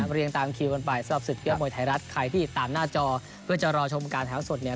เรียงตามคิวกันไปสำหรับศึกยอดมวยไทยรัฐใครที่ติดตามหน้าจอเพื่อจะรอชมการแถวสดเนี่ย